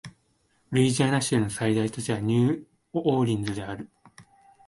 ルイジアナ州の最大都市はニューオーリンズである